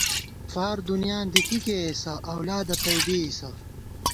فار دُنیاں دی کی کېئیسہ ، اؤلادہ تئ ڈېئیسہ